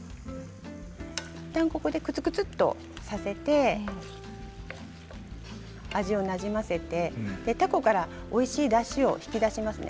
ここでクツクツとさせて味をなじませてたこからおいしいだしを引き出しますね。